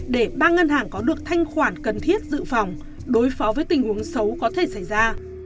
để ba ngân hàng có được thanh khoản cần thiết dự phòng đối phó với tình huống xấu có thể xảy ra